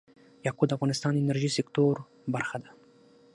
یاقوت د افغانستان د انرژۍ سکتور برخه ده.